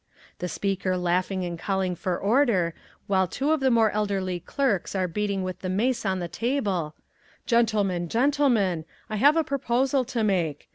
The Speaker laughing and calling for order, while two of the more elderly clerks are beating with the mace on the table, "Gentlemen, gentlemen, I have a proposal to make.